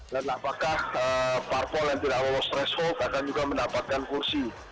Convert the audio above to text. dan apakah parpol yang tidak melalui stress hold akan juga mendapatkan kursi